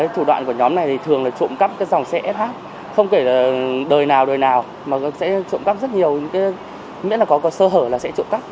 thủ đoạn của nhóm này thường là trộn cắp dòng xe sh không kể là đời nào đời nào mà sẽ trộn cắp rất nhiều miễn là có sơ hở là sẽ trộn cắp